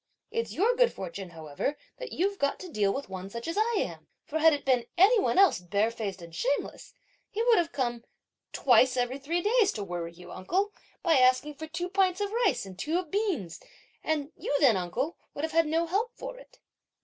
It's your good fortune however that you've got to deal with one such as I am, for had it been any one else barefaced and shameless, he would have come, twice every three days, to worry you, uncle, by asking for two pints of rice and two of beans, and you then, uncle, would have had no help for it."